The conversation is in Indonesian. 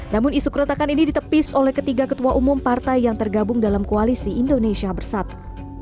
namun isu keretakan ini ditepis oleh ketiga ketua umum partai yang tergabung dalam koalisi indonesia bersatu